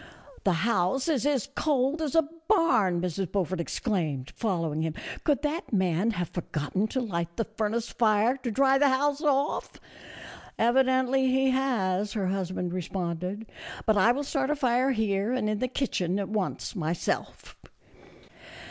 " The house is as cold as a barn," Mrs. Beaufort exclaimed, following him ;" could that man have forgotten to light the furnace fire to dry the house off?" " Evidently he has," her husband responded ;" but I will start a fire here and in the kitchen at once, myself."